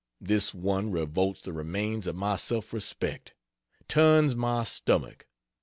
This one revolts the remains of my self respect; turns my stomach.